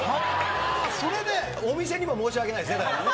お店にも申し訳ないですね、だからね。